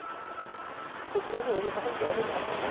そちらでお坊さんがお経を上げてたんですね。